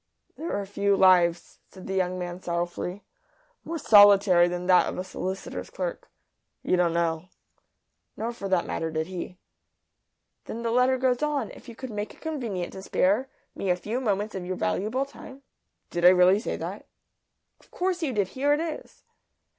"There are few lives," said the young man, sorrowfully, "more solitary than that of a solicitor's clerk. You don't know." Nor, for that matter, did he. "Then the letter goes on: 'If you could make it convenient to spare me a few moments of your valuable time '" "Did I really say that?" "Of course you did. Here it is."